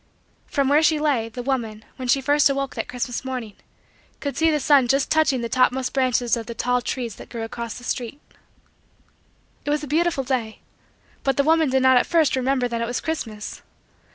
From where she lay, the woman, when she first awoke that Christmas morning, could see the sun just touching the topmost branches of the tall trees that grew across the street. It was a beautiful day. But the woman did not at first remember that it was Christmas.